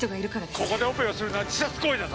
ここでオペをするのは自殺行為だぞ！